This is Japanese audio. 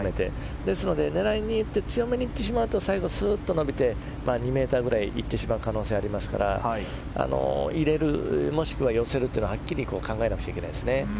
ですので狙いにいって強めにいってしまうと最後すっと伸びて２ｍぐらいいってしまう可能性がありますから入れる、もしくは寄せるっていうのをはっきりと考えなくちゃいけないですね。